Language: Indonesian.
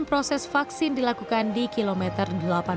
proses vaksin dilakukan di kilometer delapan puluh